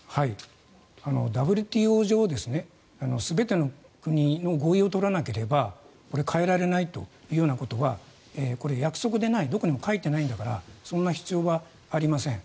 ＷＴＯ上全ての国の合意を取らなければ変えられないということはこれは約束でないどこにも書いてないんだからそんな必要はありません。